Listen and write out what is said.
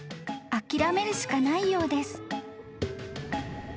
諦めるしかないようです］